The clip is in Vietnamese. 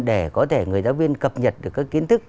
để có thể người giáo viên cập nhật được các kiến thức